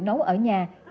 nấu ở nhà hàng